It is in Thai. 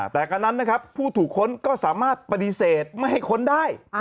แต่กันนั้นนะครับผู้ถูกค้นก็สามารถปฏิเสธไม่ให้ค้นได้